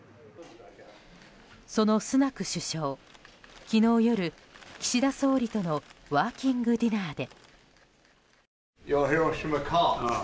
そのスナク首相、昨日夜岸田総理とのワーキングディナーで。